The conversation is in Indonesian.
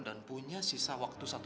dan punya sisa waktu satu bulan lagi